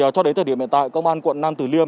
cho đến thời điểm hiện tại công an quận nam tử liêm